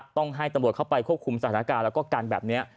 ต้องให้ตำรวจเข้าไปควบคุมสถานการณ์แล้วก็กันแบบนี้